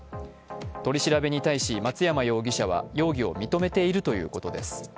取り調べに対し松山容疑者は容疑を認めているということです。